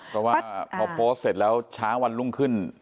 เพราะว่าพอโพสต์เสร็จแล้วเช้าวันรุ่งขึ้น